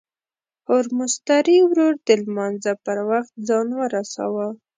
هورموز تري ورور د لمانځه پر وخت ځان ورساوه.